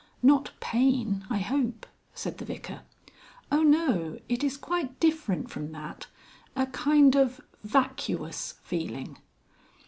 "Not pain, I hope," said the Vicar. "Oh no! It is quite different from that a kind of vacuous feeling."